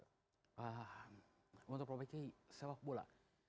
untuk memperbaiki persepak bola